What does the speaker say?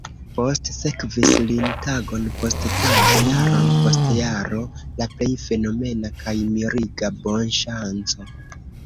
Postsekvis lin, tagon post tago, jaron post jaro, la plej fenomena kaj miriga bonŝanco.